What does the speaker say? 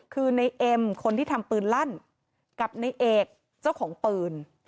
คือในเอ็มคนที่ทำปืนลั่นกับในเอกเจ้าของปืน